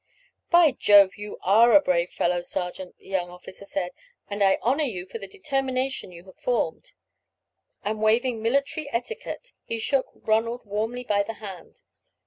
"By Jove, you are a brave fellow, sergeant," the young officer said, "and I honour you for the determination you have formed," and waiving military etiquette, he shook Ronald warmly by the hand.